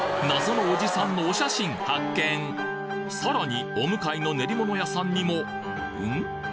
謎のおじさんのお写真発見さらにお向かいの練り物屋さんにもうん？